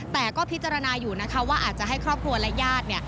แต่ก็พิจารณาอยู่นะคะว่าอาจจะให้ครอบครัวและญาติ